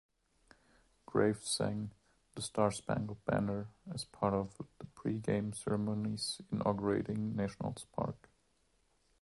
Graves sang "The Star-Spangled Banner" as part of the pre-game ceremonies inaugurating Nationals Park.